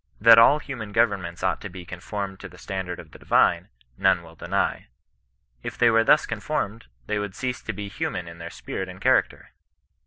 That all human governments ought to be conformed to the stand ard of the divine, none will deny. If they were thus conformed, they would cease to be human in their spirit and character.